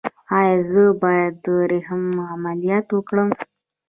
ایا زه باید د رحم عملیات وکړم؟